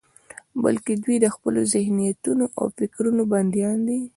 بلکې دوی د خپلو ذهنيتونو او فکرونو بندیان دي.